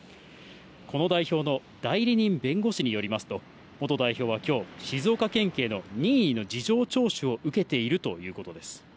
この代表の代理人弁護士によりますと、元代表はきょう、静岡県警の任意の事情聴取を受けているということです。